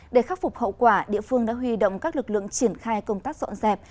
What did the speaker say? để khắc phục hậu quả địa phương đã huy động các lực lượng triển khai công tác dọn dẹp